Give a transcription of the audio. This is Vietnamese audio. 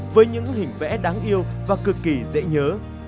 với những hình vẽ đáng yêu và cực kỳ dễ nhớ